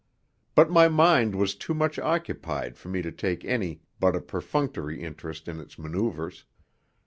But my mind was too much occupied for me to take any but a perfunctory interest in its manoeuvres.